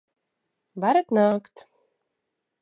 Varat nākt!